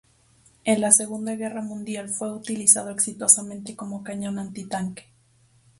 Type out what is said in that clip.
En la Segunda Guerra Mundial fue utilizado exitosamente como cañón antitanque.